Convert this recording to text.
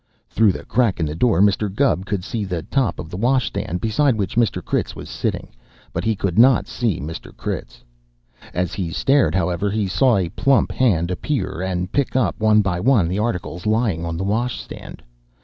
Through the crack in the door Mr. Gubb could see the top of the washstand beside which Mr. Critz was sitting, but he could not see Mr. Critz. As he stared, however, he saw a plump hand appear and pick up, one by one, the articles lying on the washstand.